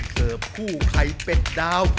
เขิบคู่ไข่เป็ดดาว